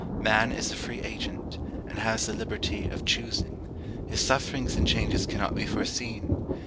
Man is a free agent, and has the liberty of choosing; his sufferings and changes cannot be foreseen.